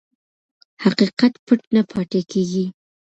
حقیقت پټ نه پاتې کېږي.